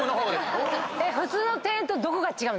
普通の庭園とどこが違う？